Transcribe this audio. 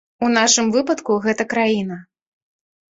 У нашым выпадку гэта краіна.